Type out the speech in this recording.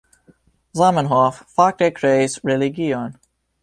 Zamenhof fakte kreis religion.